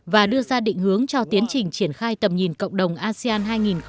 và đưa ra định hướng cho tiến trình triển khai tầm nhìn cộng đồng asean hai nghìn hai mươi năm